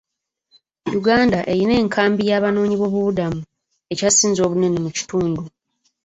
Uganda erina enkambi y'abanoonyi b'obubudamu ekyasinze obunene mu kitundu.